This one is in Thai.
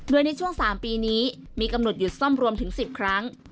โดยในช่วง๓ปีนี้มีกำหนดหยุดซ่อมรวมถึง๑๐ครั้ง